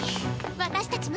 私たちも！